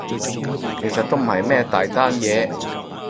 其實都唔係咩大單嘢